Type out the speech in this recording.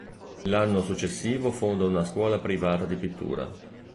L'anno successivo fonda una scuola privata di pittura.